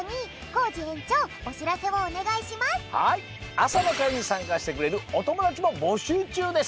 あさのかいにさんかしてくれるおともだちもぼしゅうちゅうです。